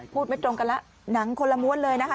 ไม่ตรงกันแล้วหนังคนละม้วนเลยนะคะ